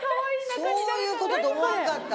そういうことと思わんかった！